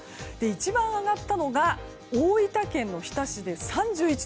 一番上がったのが大分県の日田市で３１．５度。